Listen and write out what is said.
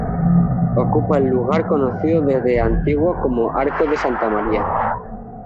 Ocupa el lugar conocido desde antiguo como arco de Santa María.